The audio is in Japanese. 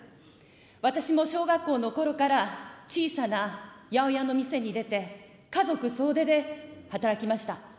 私も小学校のころから、小さな八百屋の店に出て、家族総出で働きました。